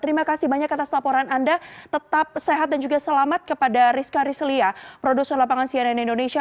terima kasih banyak atas laporan anda tetap sehat dan juga selamat kepada rizka rizlia produser lapangan cnn indonesia